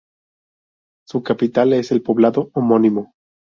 Su capital es el poblado homónimo.